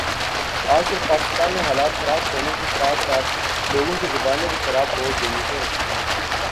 آج کل پاکستان میں حالات خراب ہونے کے ساتھ ساتھ لوگوں کی زبانیں بھی خراب ہو گئی ہیں